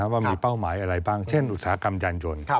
ว่ามีเป้าหมายอะไรบ้างเช่นอุตสาหกรรมยานยนต์